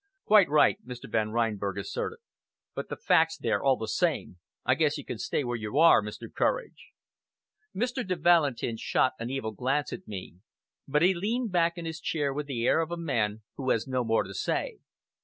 "Quite right," Mr. Van Reinberg assented, "but the fact's there all the same. I guess you can stay where you are, Mr. Courage!" Mr. de Valentin shot an evil glance at me, but he leaned back in his chair with the air of a man who has no more to say.